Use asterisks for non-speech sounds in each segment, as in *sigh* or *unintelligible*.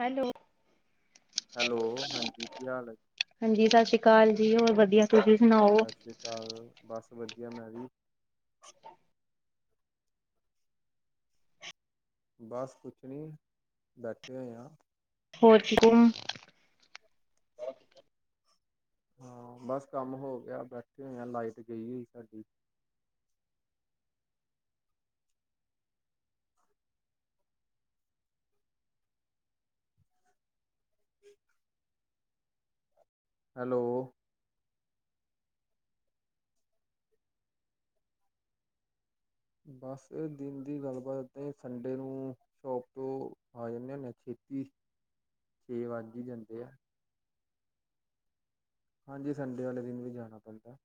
Hello, hello ਹਾਂਜੀ ਕੀ ਹਾਲ ਆ, ਹਾਂਜੀ ਸਤਿ ਸ਼੍ਰੀ ਅਕਾਲ ਜੀ, ਹੋਰ ਵਧੀਆ ਤੁਸੀਂ ਸੁਣਾਓ? ਚੱਲ ਬਸ ਵਧੀਆ ਮੈਂ ਜ, ਬਸ ਕੁਛ ਨਹੀਂ ਬੈਠੇ ਹੋਏ ਆ, ਹੋਰ ਠੀਕ ਵਾ, ਹਾਂ ਬਸ ਕੰਮ ਹੋ ਗਿਆ, ਬੈਠੇ ਹੋਏ ਆ ਲਾਈਟ ਗਈ ਹੋਈ ਸਾਡੀ ਹੈਲੋ ਬਸ ਏ ਦਿਨ ਦੀ ਗੱਲਬਾਤ ਤੇ ਸੰਡੇ ਨੂੰ ਸ਼ੋਪ ਤੋਂ ਆ ਜਾਂਦੇ ਹੁੰਦੇ ਛੇਤੀ *inaudible* ਛੇ ਵੱਜ ਹੀ ਜਾਂਦੇ ਆ ਹਾਂਜੀ ਸੰਡੇ ਵਾਲੇ ਦਿਨ ਵੀ ਜਾਣਾ ਪੈਂਦਾ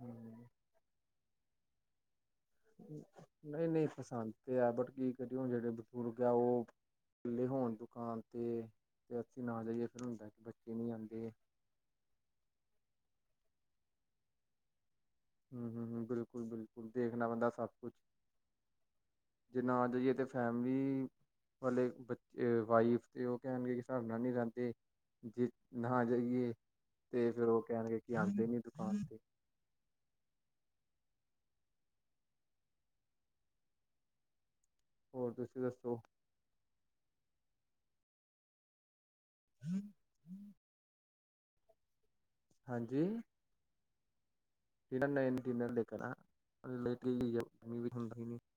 ਹਮ ਨਈ- ਨਈ ਪਸੰਦ ਤੇ ਹੈ ਬਟ ਕੀ ਕਰੀਏ ਹੁਣ ਜੇਹੜੇ ਬਜ਼ੁਰਗ ਆ ਓਹ ਇਕੱਲੇ ਹੋਣ ਦੁਕਾਨ ਤੇ-ਤੇ ਅੱਸੀਂ ਨਾ ਜਾਈਏ ਤਾ ਫੇਰ ਹੁੰਦਾ ਕਿ ਬੱਚੇ ਨੀ ਆਂਦੇ ਹਮ-ਹਮ ਹ ਬਿਲਕੁਲ-ਬਿਲਕੁਲ ਦੇਖਣਾ ਪੈਂਦਾ ਸਭ ਕੁਛ ਜੇ ਨਾ ਜਾਇਏ ਤਾ ਫੈਮਲੀ ਵਾਲੇ ਬੱਚੇ ਵਾਈਫ ਤੇ ਉਹ ਕੇਹਣਗੇ ਕਿ ਸਾਡੇ ਨਾਲ ਨੀ ਰੇਂਹਦੇ ਜੇ ਨਾ ਜਾਈਏ ਤੇ ਫੇਰ ਓਹ ਕੇਹਣਗੇ ਕਿ ਆਂਦੇ ਨੀ ਦੁਕਾਨ ਤੇ ਹੋਰ ਤੁਸੀਂ ਦੱਸੋ ਹਮ-ਹਮ ਹਾਂਜੀ *unintelligible*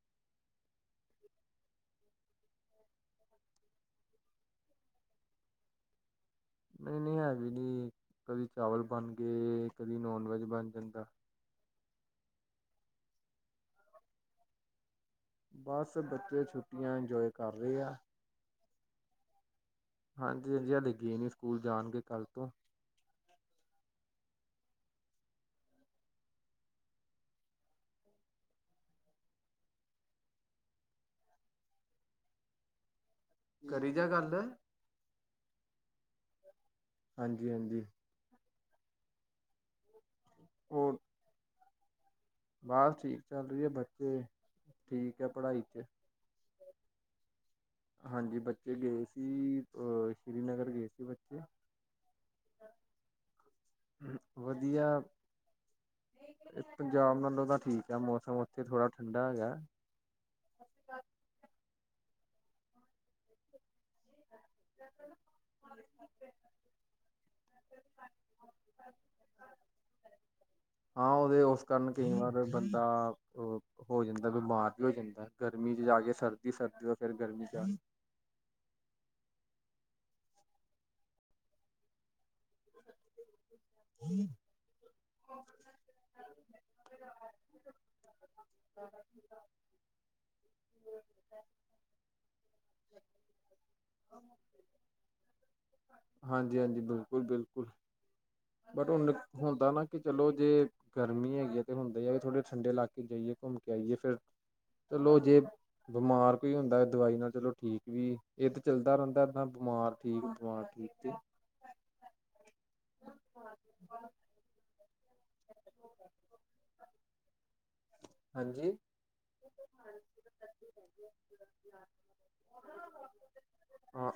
ਨਹੀਂ-ਨਹੀਂ ਹੈ, ਵੀ ਕੀ ਕਦੀ ਚਾਵਲ ਬਣ ਗਏ, ਕਦੀ ਨੋਨ ਵੈਜ ਬਣ ਜਾਂਦਾ ਬਸ ਬੱਚੇ ਛੁੱਟੀਆਂ ਇੰਜੋਏ ਕਰ ਰਏ ਆ ਹਾਂਜੀ-ਹਾਂਜੀ ਹਾਲੇ ਗਏ ਨੀ ਸਕੂਲ ਜਾਣਗੇ ਕੱਲ੍ਹ ਤੋਂ ਕਰੀ ਜਾ ਗੱਲ ਹਾਂਜੀ-ਹਾਂਜੀ ਹੋਰ ਬਸ ਠੀਕ ਚੱਲ ਰਈ ਐ, ਬੱਚੇ ਠੀਕ ਆ ਪੜ੍ਹਾਈ 'ਚ ਹਾਂਜੀ ਬੱਚੇ ਗਏ ਸੀ, ਅ, ਸ਼੍ਰੀਨਗਰ ਗਏ ਸੀ ਬੱਚੇ ਵੱਧੀਆ ਏ ਪੰਜਾਬ ਨਾਲੋਂ ਤਾਂ ਠੀਕ ਆ ਮੌਸਮ ਉੱਥੇ ਥੋੜਾ ਠੰਡਾ ਹੈਗਾ *inaudible* *inaudible* ਹਾਂ ਓਹਦੇ ਓਸ ਕਾਰਨ ਕਈ ਵਾਰ ਬੰਦਾ--ਅ ਹੋ ਜਾਂਦਾ ਬਿਮਾਰ ਵੀ ਹੋ ਜਾਂਦਾ, ਗਰਮੀ ਚ' ਜਾ ਕੇ ਸਰਦੀ- ਸਰਦੀ ਤੋ ਫਿਰ ਗਰਮੀ ਚ' ਜਾ ਜੀ *inaudible* *inaudible* ਹਮ ਹਾਂਜੀ-ਹਾਂਜੀ ਬਿਲਕੁਲ-ਬਿਲਕੁਲ ਬਟ, ਉਹ ਨਾ ਹੁੰਦਾ ਨਾ ਕਿ ਚਲੋ ਜੇ ਗਰਮੀ ਹੈਗੀ ਹੈ, ਤੇ ਹੁੰਦਾ ਆ ਵੀ ਥੋੜ੍ਹੇ ਠੰਡੇ ਇਲਾਕੇ ਜਾਈਏ ਘੁੰਮ ਕੇ ਆਈਏ ਫਿਰ ਚਲੋ ਜੇ ਬਿਮਾਰ ਕੋਈ ਹੁੰਦਾ ਦਵਾਈ ਨਾਲ ਚਲੋ ਠੀਕ ਵੀ ਇਹ ਤੇ ਚੱਲਦਾ ਰਹਿੰਦਾ। ਏਦਾਂ ਬਿਮਾਰ ਠੀਕ ਆ ਠੀਕ ਤੇ ਹਾਂ। ਹਾਂਜੀ। *inaudible* ਹਾਂ,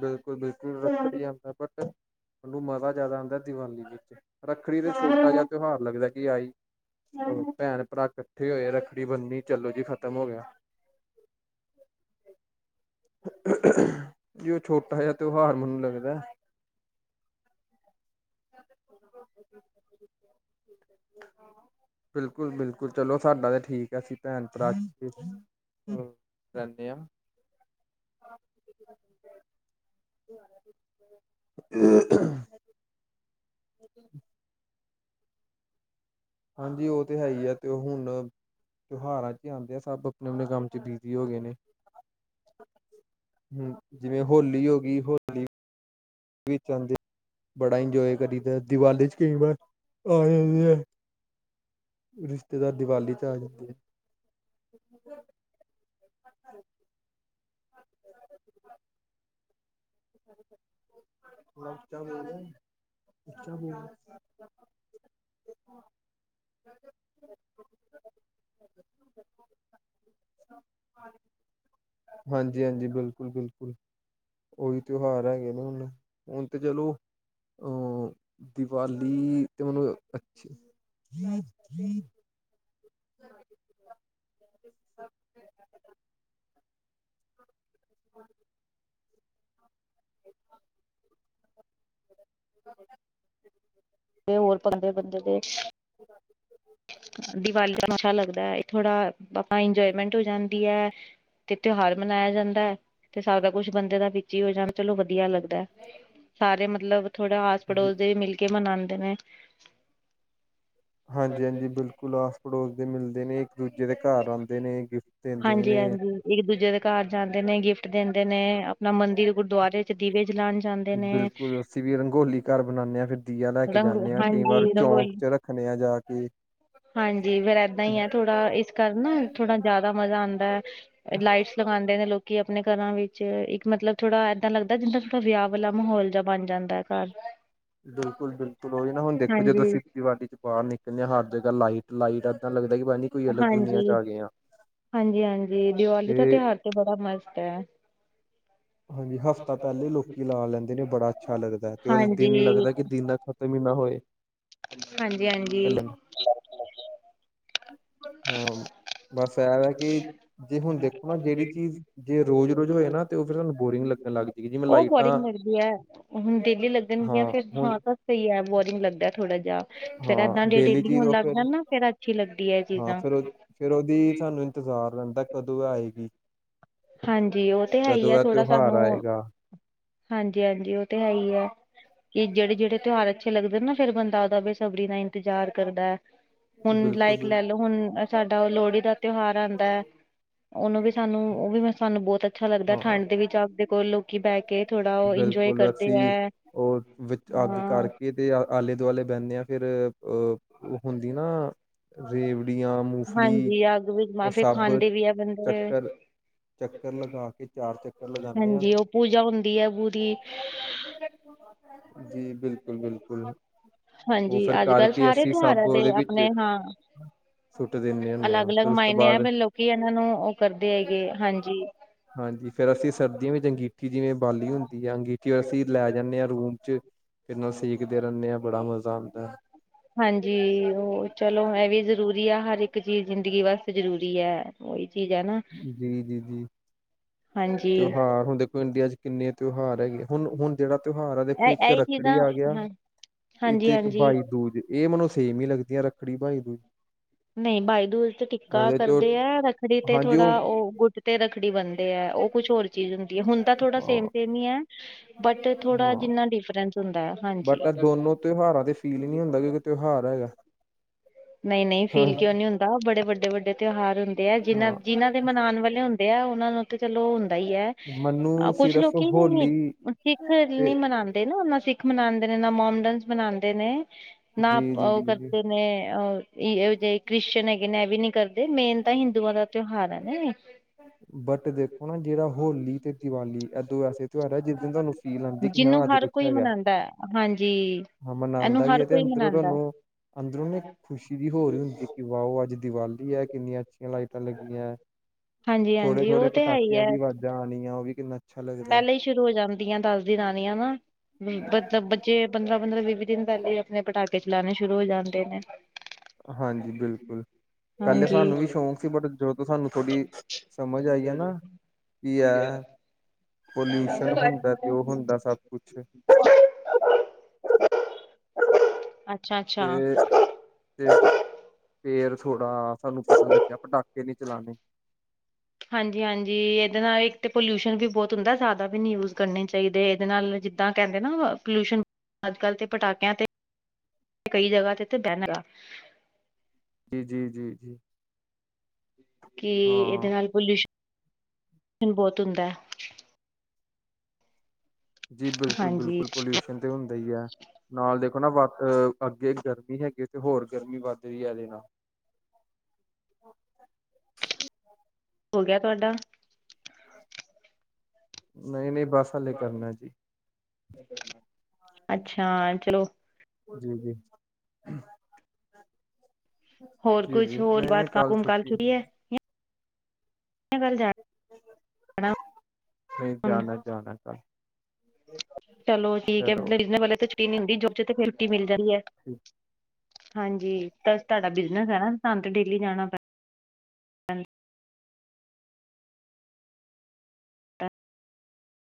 ਬਿਲਕੁਲ-ਬਿਲਕੁਲ ਰ ਤੁਹਾਨੂੰ ਮਜ਼ਾ ਜ਼ਿਆਦਾ ਆਉਂਦਾ ਦਿਵਾਲੀ ਵਿੱਚ ਰੱਖੜੀ ਤੇ ਛੋਟਾ ਜਿਹਾ ਤਿਉਹਾਰ ਲੱਗਦਾ ਕਿ ਆਈ ਭੈਣ-ਭਰਾ ਇਕੱਠੇ ਹੋਏ ਰੱਖੜੀ ਬੰਨੀ ਚਲੋ ਜੀ ਖਤਮ ਹੋ ਗਿਆ। ਜੀ, ਉਹ ਛੋਟਾ ਜਾ ਤਿਉਹਾਰ ਮੈਨੂੰ ਲੱਗਦਾ *inaudible* ਬਿਲਕੁਲ-ਬਿਲਕੁਲ ਚਲੋ ਸਾਡਾ ਤਾਂ ਠੀਕ ਹੈ। ਅਸੀਂ ਭੈਣ ਭਰਾ *unintelligible* ਅਮ ਹ। ਹਾਂਜੀ, ਉਹ ਤੇ ਹੈ ਹੀ ਆ ਤੇ ਉਹ ਹੁਣ ਤਿਉਹਾਰਾਂ ਚ ਆਉਂਦੇ ਆ, ਸਭ ਆਪਣੇ ਆਪਣੇ ਕੰਮ ਚ ਬਿਜ਼ੀ ਹੋ ਗਏ ਨੇ। ਹੂ, ਜਿਵੇਂ ਹੋਲੀ ਹੋ ਗਈ ਹੋਲੀ। ਵਿੱਚਦੇ ਬੜਾ ਇੰਜੋਏ ਕਰੀਦਾ ਦਿਵਾਲੀ ਚ ਕਈ ਵਾਰ ਆਏ ਆ। ਰਿਸ਼ਤੇਦਾਰ, ਦੀਵਾਲੀ ਚ ਆ ਜਾਂਦੇ ਹੈ। ਹ। ਆ। ਹਾਂਜੀ-ਹਾਂਜੀ, ਬਿਲਕੁਲ-ਬਿਲਕੁਲ। ਉਹੀ ਤਿਉਹਾਰ ਹੈਗੇ ਨੇ, ਹੁਣ ਹੁਣ ਤੇ ਚਲੋ। ਅ ਦੀਵਾਲੀ ਤੇ ਮੈਨੂੰ ਅੱਛ ਹ। ਹ। ਹਾਂ। ਹੋਰ ਪਤਾ, ਬੰਦੇ ਦੇ ਦੀਵਾਲੀ ਦਾ ਨਸ਼ਾ ਲੱਗਦਾ ਥੋੜਾ। ਆਈ ਇੰਜੋਏਮੈਂਟ ਹੋ ਜਾਂਦੀ ਹੈ। ਤੇ, ਤਿਉਹਾਰ ਮਨਾਇਆ ਜਾਂਦਾ ਹੈ। ਤੇ ਸਾਰਾ ਕੁੱਛ ਬੰਦੇ ਦਾ ਵਿੱਚ ਹੀ ਹੋ ਜਾਣਾ ਚਲੋ ਵਧੀਆ ਲੱਗਦਾ। ਸਾਰੇ ਮਤਲਬ ਥੋੜਾ ਆਸ ਪੜੋਸ ਜੀ ਦੇ ਮਿਲ ਕੇ ਮਨਾਉਂਦੇ ਨੇ। ਹਾਂਜੀ-ਹਾਂਜੀ, ਬਿਲਕੁਲ ਆਸ ਪੜੋਸ ਦੇ ਮਿਲਦੇ ਨੇ। ਇੱਕ-ਦੂਜੇ ਦੇ ਘਰ ਆਉਂਦੇ ਨੇ ਗਿਫਟ ਦਿੰਦੇ ਨੇ। ਇੱਕ-ਦੂਜੇ ਦੇ ਘਰ ਜਾਂਦੇ ਨੇ, ਗਿਫਟ ਦਿੰਦੇ ਨੇ। ਆਪਣਾ ਮੰਦਿਰ ਗੁਰਦੁਆਰੇ ਚ ਦੀਵੇ ਜਲਉਣ ਜਾਂਦੇ ਨੇ। ਬਿਲਕੁਲ ਅਸੀਂ ਵੀ ਰੰਗੋਲੀ ਘਰ ਬਣਾਉਂਦੇ ਹਾਂ। ਫਿਰ ਦੀਆ ਲੈ ਕੇ ਰੰਗ ਜਾਂਦੇ ਹਾਂ। ਕਈ ਵਾਰ ਹਾਂਜੀ ਚੌਂਕ ਰੰਗੋਲੀ ਚ ਰੱਖਣੇ ਆ ਜਾ ਕੇ। ਹਾਂਜੀ, ਫੇਰ ਏਦਾਂ ਹੀ ਆ ਥੋੜਾ ਇਸ ਕਰ ਨਾ ਥੋੜਾ ਜਿਆਦਾ ਮਜ਼ਾ ਆਉਂਦਾ ਹੈ। ਲਾਈਟ ਲਗਾਉਂਦੇ ਨੇ ਲੋਕੀ ਆਪਣੇ ਘਰਾਂ ਵਿੱਚ ਇੱਕ ਮਤਲਬ ਥੋੜਾ ਮਦਾਂ ਲੱਗਦਾ, ਜਿੱਦਾਂ ਥੋੜਾ ਵਿਆਹ ਵਾਲਾ ਮਾਹੌਲ ਜਹਾ ਬਣ ਜਾਂਦਾ। ਦਾ ਘਰ ਬਿਲਕੁਲ-ਬਿਲਕੁਲ, ਉਹ ਹੀ ਨਾ ਹੁਣ ਦੇਖੋ ਜਦੋਂ ਹਾਂਜੀ ਖੇਤੀਬਾੜੀ ਚ ਬਾਹਰ ਨਿਕਲ ਕਹਿੰਦੇ, ਹਰ ਜਗ੍ਹਾ ਲਾਈਟ ਲਾਈਟ ਏਦਾਂ ਲੱਗਦਾ, ਕਿ ਭਾਜੀ। ਹਾਂਜੀ-ਹਾਂਜੀ-ਹਾਂਜੀ, ਦੀਵਾਲੀ ਦਾ ਤਿਉਹਾਰ ਤੇ ਬੜਾ ਮਸਤ ਹੈ। ਹਾਂਜੀ, ਹਫ਼ਤਾ ਪਹਿਲੇ ਲੋਕੀ ਲਾ ਲੈਂਦੇ ਨੇ, ਬੜਾ ਅੱਛਾ ਲੱਗਦਾ ਹੈ। ਤੇ ਦਿਨ ਹਾਂਜੀ ਲੱਗਦਾ ਕਿ ਦਿਨ ਇਹ ਵੀ ਨਾ ਹੋਏ। ਹਾਂਜੀ-ਹਾਂਜੀ। ਹਾਂ, ਬਸ ਐਵੇ ਕਿ ਜੇ ਹੁਣ ਦੇਖੋ ਨਾ, ਜਿਹੜੀ ਚੀਜ਼ ਜੇ ਰੋਜ਼-ਰੋਜ਼ ਹੋਏ ਨਾ ਤੇ ਉਹ ਫਿਰ ਤੁਹਾਨੂੰ ਬੋਰਿੰਗ ਲੱਗਣ ਲੱਗ ਜਾਏਗੀ ਜਿਵੇਂ ਉਹ ਫੈਰਿੰਗ ਲਾਈਟਾਂ ਮਿਰਦੀ ਐ, ਹੁਣ ਡੇਲੀ ਲੱਗਣਗੀਆਂ, ਹਾਂ ਫਿਰ ਹੁਣ ਹਾਂ ਸਹੀ ਐ ਬੋਰਿੰਗ ਲੱਗਦਾ ਥੋੜਾ ਜਿਹਾ, ਫੇਰ ਏਦਾਂ ਹਾਂ ਜੇ ਡੇਲੀ ਚੀਜ਼ ਹੋਣ ਉਹ ਫਿਰ ਲੱਗਦਾ ਨਾ, ਫੇਰ ਅੱਛੀ ਲੱਗਦੀ ਏ। ਹਾਂ ਫਿਰ ਉਹ, ਫੇਰ ਉਹਦੀ ਸਾਨੂੰ ਇੰਤਜ਼ਾਰ ਰਹਿੰਦਾ ਕਦੋਂ ਆਏਗੀ। ਹਾਂਜੀ ਉਹ ਤੇ ਹੈ ਕਦੋਂ ਐਹ ਤਿਉਹਾਰ ਆਏਗਾ। ਹਾਂਜੀ-ਹਾਂਜੀ, ਉਹ ਤੇ ਹੈ ਈ ਐ। ਇਹ ਜਿਹੜੇ-ਜਿਹੜੇ ਤਿਉਹਾਰ ਅੱਛੇ ਲੱਗਦੇ ਨਾ, ਫੇਰ ਬੰਦਾ ਉਹਦਾ ਬੇਸਬਰੀ ਨਾ ਇੰਤਜ਼ਾਰ ਕਰਦਾ। ਹੁਣ ਬਿਲਕੁਲ ਲਾਇਕ ਬਿਲ ਲੈ ਲਓ, ਹੁਣ ਸਾਡਾ ਉਹ ਲੋਹੜੀ ਦਾ ਤਿਉਹਾਰ ਆਂਦਾ। ਉਹਨੂੰ ਵੀ ਸਾਨੂੰ ਉਹ ਵੀ ਸਾਨੂੰ ਬਹੁਤ ਅੱਛਾ ਲੱਗਦਾ, ਹਾਂ ਠੰਡ ਦੇ ਵਿੱਚ ਆਪਦੇ ਕੋਲ਼ ਲੋਕੀ ਬਹਿ ਕੇ ਥੋੜਾ ਉਹ ਇੰਜੋਏ ਬਿਲਕੁਲ, ਕਰਦੇ ਅਸੀਂ ਹੈ ਉਹ ਵਿੱਚ ਅੱਗ ਅ ਕਰਕੇ ਤੇ ਆਲੇ-ਦੁਆਲੇ ਬਹਿੰਦੇ ਆ, ਫਿਰ ਅ ਓ ਹੁੰਦੀ ਨਾ ਰੇਵੜੀਆਂ, ਮੂੰਫਲੀ, ਹਾਂਜੀ ਅੱਗ ਵੀ ਉਹ ਜਮਾ ਫਿਰ ਸਭ ਖਾਂਦੇ ਵੀ ਹੈ ਬੰਦੇ ਚੱਕਰ ਚੱਕਰ ਲਗਾ ਕੇ, ਚਾਰ ਚੱਕਰ ਲਗਾਉਦੇ ਹਾਂਜੀ, ਉਹ ਪੂਜਾ ਹੁੰਦੀ ਆ ਪੂਰੀ। ਜੀ, ਬਿਲਕੁਲ-ਬਿਲਕੁਲ। ਹਾਂਜੀ, ਅੱਜ-ਕੱਲ੍ਹ ਸਾਰੇ ਤਿਉਹਾਰਾਂ ਦੇ ਉਹਦੇ ਵਿੱਚ ਆਪਣੇ, ਹਾਂ। ਸੁੱਟ ਦਿੰਦੇ ਹੁੰਦੇ ਹਾਂ ਅਲੱਗ-ਅਲੱਗ ਫਿਰ ਉਸ ਤੋਂ ਮਾਇਨੇ ਆ, ਬਾਅਦ ਬਰ ਲੋਕੀ ਇਹਨਾਂ ਨੂੰ ਉਹ ਕਰਦੇ ਹੈਗੇ, ਹਾਂਜੀ। ਹਾਂਜੀ, ਫੇਰ ਅਸੀਂ ਸਰਦੀਆਂ ਵਿੱਚ ਅੰਗੀਠੀ ਜਿਵੇਂ ਬਾਲੀ ਹੁੰਦੀ ਆ, ਅੰਗੀ ਫੇ ਅਸੀਂ ਲੈ ਜਾਂਨੇ ਆ ਰੂਮ 'ਚ, ਫਿਰ ਨਾ ਸੇਕਦੇ ਰਹਿੰਦੇ ਆ, ਬੜਾ ਮਜ਼ਾ ਆਂਦਾ। ਹਾਂਜੀ, ਉਹ ਚਲੋ ਇਹ ਵੀ ਜ਼ਰੂਰੀ ਐ, ਹਰ ਇੱਕ ਚੀਜ਼ ਜ਼ਿੰਦਗੀ ਵਾਸਤੇ ਜ਼ਰੂਰੀ ਐ। ਉਹੀ ਚੀਜ਼ ਐ ਨਾ। ਜੀ-ਜੀ, ਜੀ ਹਾਂਜੀ ਤਿਉਹਾਰ ਹੁਣ ਦੇਖੋ ਇੰਡੀਆ 'ਚ ਕਿੰਨੇ ਤਿਉਹਾਰ ਹੈਗੇ, ਹੁਣ-ਹੁਣ ਜਿਹੜਾ ਤਿਉਹਾਰ ਆ ਇਹ ਦੇਖੋ ਇੱਕ ਇਹੀ ਰੱਕੜੀ ਚੀਜ਼ਾਂ ਆ ਗਿਆ, ਹਾਂ ਹਾਂਜੀ ਇਥੇ ਇੱਕ ਹਾਂਜੀ ਭਾਈ ਦੂਜ ਇਹ ਮੈਨੂੰ ਸੇਮ ਈ ਲੱਗਦੀਆਂ, ਰੱਖੜੀ, ਭਾਈ ਦੂ ਨਹੀਂ ਭਾਈ ਦੂਜ ਤੇ ਟਿੱਕਾ ਚ ਕਰਦੇ ਆ, ਰੱ ਰੱਖੜੀ ਤੇ ਥੋੜ੍ਹਾ ਉਹ ਗੁੱਟ ਤੇ ਰੱਖੜੀ ਬਨਦੇ ਐ, ਉਹ ਕੁਛ ਹੋਰ ਚੀਜ਼ ਹੁੰਦੀ। ਹੁੰਦਾ ਥੋੜਾ ਹਾਂ ਸੇਮ-ਸੇਮ ਈ ਐ। ਬਟ ਇਹ ਥੋੜਾ ਹਾਂ ਜਿੰਨਾ ਡਿਫਰੈਂਸ ਹੁੰਦਾ ਆ। ਬਟ ਐਹ ਦੋਨੋ ਤਿਉਹਾਰਾਂ ਤੇ ਫੀਲ ਈ ਨੀ ਹੁੰਦਾ, ਕਿ ਕੋਈ ਤਿਉਹਾਰ ਹੈਗਾ। ਨ‌ਈਂ-ਨ‌ਈਂ ਹਾਂ ਫੀਲ ਕਿਉਂ ਨੀ ਹੁੰਦਾ, ਉਹ ਬੜੇ ਵੱਡੇ-ਵੱਡੇ ਤਿਉਹਾਰ ਹੁੰਦੇ ਆ, ਹਾਂ ਜਿਨ੍ਹਾਂ-ਜਿਨਾਂ ਤੇ ਮਨਾਨ ਵਾਲੇ ਹੁੰਦੇ ਆ, ਉਹਨਾਂ ਨੂੰ ਤੇ ਚਲੋ ਹੁੰਦਾ ਈ ਐ, ਮੈਨੂੰ ਕੁਛ ਸਿਰਫ ਲੋਕੀ ਹੋਲੀ ਸਿੱਖ ਤੇ ਨੀ ਮਨਾ ਦੇ ਨਾ, ਨਾ ਸਿੱਖ ਮਨਾਂਦੇ ਨੇ, ਨਾ ਮੋਮਡਨਸ ਮਨਾਂਦੇ ਨੇ, ਨਾ ਜੀ ਜੀ ਉਹ ਜੀ ਜੀ ਕਰਦੇ ਨੇ ਆਹ ਇਹੋ ਜਿਹੇ ਕ੍ਰਿਸ਼ਚਨ ਹੈਗੇ ਨੇ ਇਹ ਵੀ ਨੀ ਕਰਦੇ, ਮੇਨ ਤਾਂ ਹਿੰਦੂਆਂ ਦਾ ਤਿਉਹਾਰ ਹੈ ਨਾ ਇਹ। ਬਟ ਦੇਖੋ ਨਾ, ਜਿਹੜਾ ਹੋਲੀ ਤੇ ਦੀਵਾਲੀ ਇਹ ਦੋ ਐਸੇ ਤਿਉਹਾਰ ਐ, ਜਿਸ ਦਿਨ ਤੁਹਾਨੂੰ ਫੀਲ ਆਉਂਦੀ ਕਿ ਹਾਂ, ਜਿਹਨੂੰ ਅੱਜ ਹਰ ਕੁੱਛ ਕੋਈ ਹੈਗਾ। ਮਨਾਉਂਦਾ ਹੈ। ਹਾਂਜੀ। ਹਾਂ ਇਹਨੂੰ ਮਨਾਂਦਾ ਵੀ ਹਰ ਐ ਤੇ ਕੋਈ ਅੰਦਰੋਂ ਮਨਾਉਂਦਾ ਤੁਹਾਨੂੰ ਅੰਦਰੋਂ ਨਾ ਇੱਕ ਖੁਸ਼ੀ ਜੀ ਹੋਰ ਈ ਹੁੰਦੀ ਕਿ ਵਾਓ, ਅੱਜ ਦੀਵਾਲ਼ੀ ਐ ਕਿੰਨੀਆਂ ਅੱਛੀਆਂ ਲਾਈਟਾਂ ਲੱਗੀਆਂ, ਹਾਂਜੀ-ਹਾਂਜੀ ਥੋੜੇ-ਥੋੜੇ ਉਹ ਤੇ ਹੈ ਹੀ ਪਟਾਕਿਆਂ ਦੀ ਹੈ ਆਵਾਜ਼ਾਂ ਆਣੀਆਂ, ਉਹ ਵੀ ਕਿੰਨਾ ਅੱਛਾ ਲੱਗਦਾ ਪਹਿਲੇ ਈ ਸ਼ੁਰੂ ਹੋ ਜਾਂਦੀਆਂ, ਦੱਸ ਦਿਨ ਆਣੀਆਂ ਨਾ, ਮਤਲਬ ਬੱ ਜੇ ਪੰਦਰਾਂ ਪੰਦਰਾਂ ਵੀਹ ਵੀਹ ਦਿਨ ਪਹਿਲੇ ਆਪਣੇ ਪਟਾਕੇ ਚਲਾਉਣੇ ਸ਼ੁਰੂ ਹੋ ਜਾਂਦੇ ਨੇ ਹਾਂਜੀ ਬਿਲਕੁਲ ਪਹਿਲੇ ਹਾਂਜੀ। ਸਾਨੂੰ ਵੀ ਸ਼ੌਂਕ ਸੀ ਬਟ ਜਦੋਂ ਤੋਂ ਸਾਨੂੰ ਥੋੜ੍ਹੀ ਸਮਝ ਆਈ ਆ ਨਾ ਕੀ ਐ ਪੋਲਿਊਸ਼ਨ ਹੁੰਦਾ ਤੇ ਉਹ ਹੁੰਦਾ ਸਭ ਕੁਛ ਅੱਛਾ ਅੱਛਾ। ਤੇ ਤੇ ਫੇਰ ਥੋੜਾ ਸਾਨੂੰ ਪਤਾ ਲੱਗਿਆ ਪਟਾਕੇ ਨਹੀਂ ਚਲਾਣੇ ਹਾਂਜੀ ਹਾਂਜੀ ਇਹਦੇ ਨਾਲ ਇੱਕ ਤਾਂ ਪੋਲਿਊਸ਼ਨ ਵੀ ਬਹੁਤ ਹੁੰਦਾ ਜ਼ਿਆਦਾ ਵੀ ਨਹੀਂ ਯੂਜ ਕਰਨੇ ਚਾਹੀਦੇ ਇਹਦੇ ਨਾਲ ਜਿਦਾਂ ਕਹਿੰਦੇ ਨਾ ਪੋਲਿਊਸ਼ਨ ਅੱਜ ਕੱਲ੍ਹ ਤੇ ਪਟਾਕਿਆਂ ਤੇ ਕਈ ਜਗ੍ਹਾ ਤੇ ਤੇ ਬੈਨਰ ਆ ਜੀ ਜੀ ਜੀ ਜੀ ਕਿ ਇਹਦੇ ਹਾਂ ਨਾਲ ਪੋਲਿਊਸ਼ਨ ਬਹੁਤ ਹੁੰਦਾ ਜੀ ਬਿਲਕੁਲ ਹਾਂਜੀ ਬਿਲਕੁਲ ਪੋਲਿਊਸ਼ਨ ਤੇ ਹੁੰਦਾ ਹੀ ਹੈ ਨਾਲ ਦੇਖੋ ਨਾ ਵੱਖ ਅੱਗੇ ਗਰਮੀ ਹੈਗੀ ਤੇ ਹੋਰ ਗਰਮੀ ਵੱਧ ਰਹੀ ਹੈ ਇਹਦੇ ਨਾਲ ਹੋ ਗਿਆ ਤੁਹਾਡਾ ਨਹੀਂ ਨਹੀਂ ਬਸ ਹਾਲੇ ਕਰਨਾ ਏ ਜੀ ਅੱਛਾ ਚਲੋ ਜੀ ਜੀ ਹੋਰ ਜੀ ਕੁਛ ਜੀ ਹੋਰ ਨਹੀਂ ਨਹੀਂ ਬਾਤ ਕੰਮ ਕੱਲ ਕੁੰਮ ਕਰ ਛੁੱਟੀ ਨਹੀਂ ਚੁੱਕੀ ਹੈ। ਕੱਲ ਜਾਣਾ ਨਹੀਂ ਹੁਣ ਜਾਣਾ ਜਾਣਾ ਕੰਮ ਚਲੋ ਠੀਕ ਹੈ ਬਿਜਨਸ ਵਾਲਿਆ ਨੂੰ ਤੇ ਛੁੱਟੀ ਨਹੀਂ ਹੁੰਦੀ ਜੋਬ ਵਿੱਚ ਤਾਂ ਛੁੱਟੀ ਮਿਲ ਜਾਣੀ ਹੈ। ਹਾਂਜੀ ਤਾਂ ਤੁਹਾਡਾ ਬਿਜਨਸ ਹੈ ਸਾਨੂੰ ਤੇ ਡੇਲੀ ਜਾਣਾ ਪੈ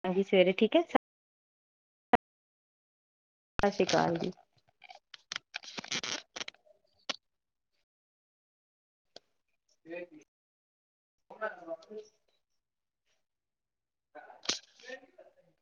ਹਾਂਜੀ ਸਵੇਰੇ ਠੀਕ ਹੈ ਸਤਿ ਸ੍ਰੀ ਅਕਾਲ ਜੀ ਵੇਦੀ ਘਰੋਂ ਵਾਪਸ *unintelligible*